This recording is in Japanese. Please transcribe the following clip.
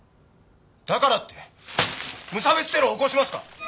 だからって無差別テロを起こしますか！？